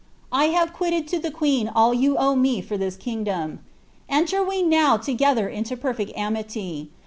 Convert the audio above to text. I have quitted to the queen all yoa owe me for this kingdom. Enter we now together into perfect amity.